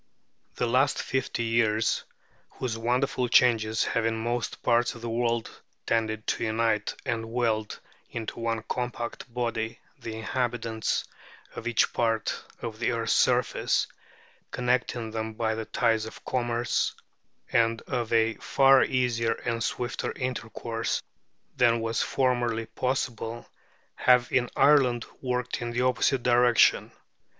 The last fifty years, whose wonderful changes have in most parts of the world tended to unite and weld into one compact body the inhabitants of each part of the earth's surface, connecting them by the ties of commerce, and of a far easier and swifter intercourse than was formerly possible, have in Ireland worked in the opposite direction.